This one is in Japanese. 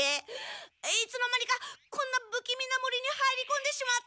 いつの間にかこんなぶきみな森に入りこんでしまった！